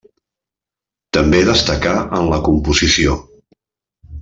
També destacà en la composició.